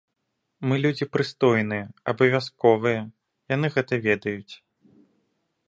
Мы людзі прыстойныя, абавязковыя, яны гэта ведаюць.